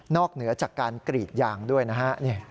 เหนือจากการกรีดยางด้วยนะฮะ